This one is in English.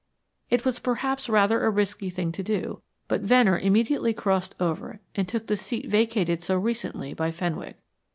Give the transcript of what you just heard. It was perhaps rather a risky thing to do, but Venner immediately crossed over and took the seat vacated so recently by Fenwick.